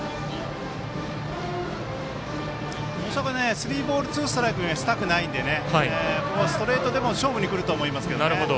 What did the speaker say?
スリーボールツーストライクにはしたくないのでストレートでも勝負にくると思いますけど。